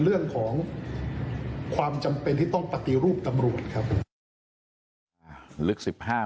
เรื่องของความจำเป็นที่ต้องปฏิรูปตำรวจครับ